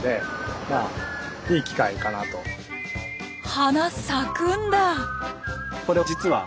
花咲くんだ。